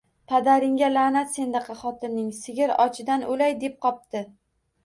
— Padaringga laʼnat sendaqa xotinning! Sigir ochidan oʼlay deb qopti!